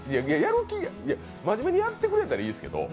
真面目にやってくれたらいいですけど。